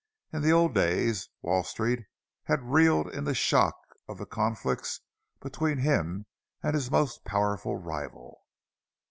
In the old days Wall Street had reeled in the shock of the conflicts between him and his most powerful rival.